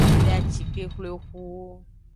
Le acikexwlexu.